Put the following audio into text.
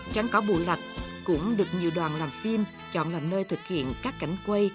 trắng cỏ bù lạch cũng được nhiều đoàn làm phim chọn làm nơi thực hiện các cảnh quay